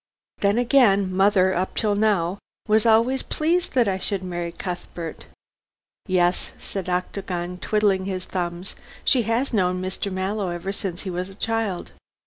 Then again, mother, up till now, was always pleased that I should marry Cuthbert." "Yes," said Octagon, twiddling his thumbs; "she has known Mr. Mallow ever since he was a child.